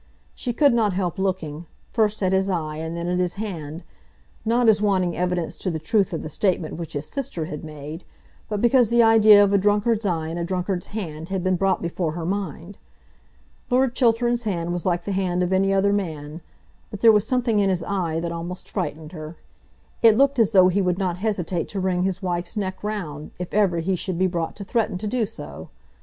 She could not help looking, first at his eye and then at his hand, not as wanting evidence to the truth of the statement which his sister had made, but because the idea of a drunkard's eye and a drunkard's hand had been brought before her mind. Lord Chiltern's hand was like the hand of any other man, but there was something in his eye that almost frightened her. It looked as though he would not hesitate to wring his wife's neck round, if ever he should be brought to threaten to do so.